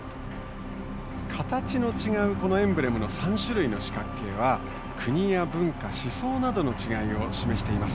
形の違うエンブレムの３種類の四角形は国や文化・思想などの違いを示しています。